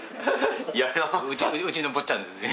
うちの坊ちゃんですね。